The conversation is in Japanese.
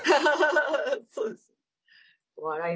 そうです。